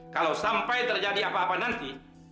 kalau sampai terjadi apa apa nanti